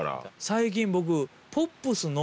最近僕。